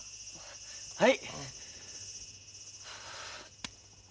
はい。